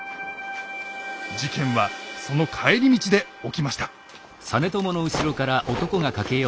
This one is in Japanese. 事件はその帰り道で起きました。